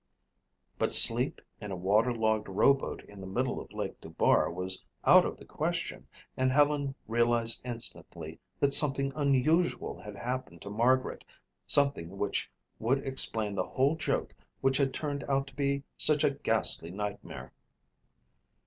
But sleep in a water logged rowboat in the middle of Lake Dubar was out of the question and Helen realized instantly that something unusual had happened to Margaret, something which would explain the whole joke which had turned out to be such a ghastly nightmare.